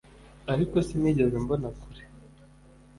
Ariko sinigeze mbona kure